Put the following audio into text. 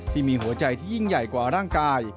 ที่มีหัวใจที่ยิ่งใหญ่กว่าร่างกาย